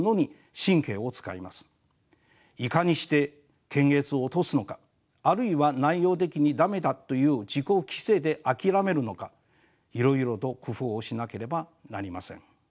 いかにして検閲を通すのかあるいは内容的に駄目だという自己規制で諦めるのかいろいろと工夫をしなければなりません。